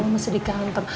masih di kantor